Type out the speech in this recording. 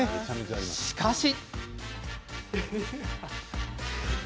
しかし。